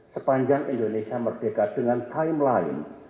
sepanjang indonesia merdeka dengan timeline